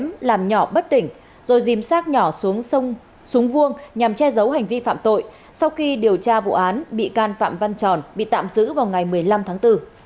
khi làm nhỏ bất tỉnh rồi dìm sát nhỏ xuống sông vuông nhằm che giấu hành vi phạm tội sau khi điều tra vụ án bị can phạm văn tròn bị tạm giữ vào ngày một mươi năm tháng bốn